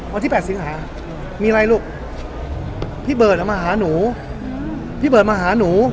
วันที่๘สิงหามีอะไรลูกพี่เบิร์ดอ่ะมาหาหนูพี่เบิร์ดมาหาหนู